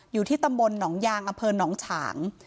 อยู่ที่ตำบลหนองยางอำเภอหนองฉาง